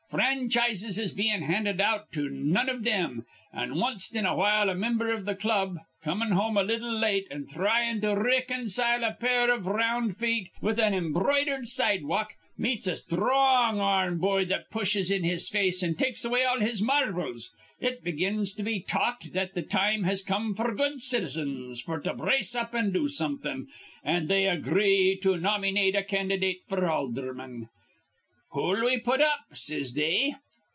Franchises is bein' handed out to none iv thim; an' wanst in a while a mimber iv th' club, comin' home a little late an' thryin' to ricon cile a pair iv r round feet with an embroidered sidewalk, meets a sthrong ar rm boy that pushes in his face an' takes away all his marbles. It begins to be talked that th' time has come f'r good citizens f'r to brace up an' do somethin', an' they agree to nomynate a candydate f'r aldherman. 'Who'll we put up?' says they.